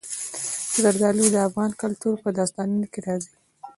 زردالو د افغان کلتور په داستانونو کې راځي.